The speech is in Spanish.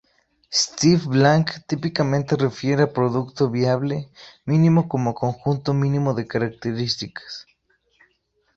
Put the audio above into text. Steve Blank típicamente refiere a producto viable mínimo como conjunto mínimo de características.